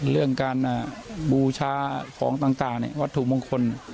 เรื่องการบูชาของต่างวัตถุมงคล